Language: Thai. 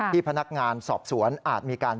พนักงานสอบสวนอาจมีการ